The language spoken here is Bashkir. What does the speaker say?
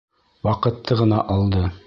Ваҡытты ғына алды!